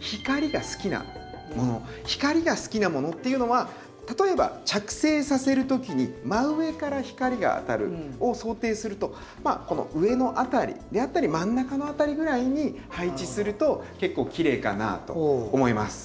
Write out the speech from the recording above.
光が好きなものっていうのは例えば着生させる時に真上から光が当たるのを想定するとこの上の辺りであったり真ん中の辺りぐらいに配置すると結構きれいかなと思います。